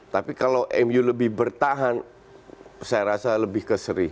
tapi kalau mu lebih bertahan saya rasa lebih ke seri